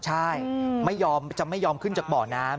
ใช่ไม่ยอมจะไม่ยอมขึ้นจากเบาะน้ำ